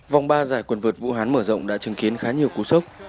vòng ba giải quần vợt vũ hán mở rộng đã chứng kiến khá nhiều cú sốc